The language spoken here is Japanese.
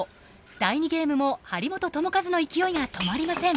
第２ゲームも張本智和の勢いが止まりません。